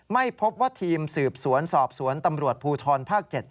ไม่พบว่าทีมสืบสวนสอบสวนตำรวจภูทรภาค๗